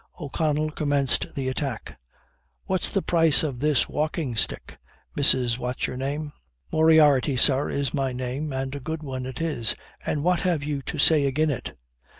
O'Connell commenced the attack: "What's the price of this walking stick, Mrs. What's your Name?" "Moriarty, sir, is my name, and a good one it is; and what have you to say agen it?